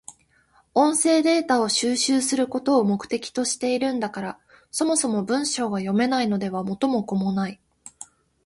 音声データを収集することを目的としているんだから、そもそも文章が読めないのでは元も子もない。